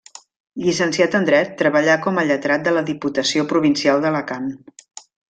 Llicenciat en dret, treballà com a lletrat de la Diputació Provincial d'Alacant.